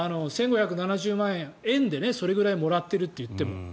１５７０万円、円でそれぐらいもらってるといっても。